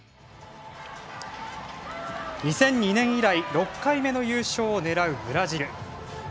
２００２年以来６回目の優勝を狙うブラジル。